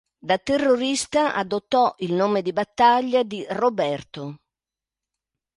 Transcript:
Da terrorista adottò il "nome di battaglia" di "Roberto".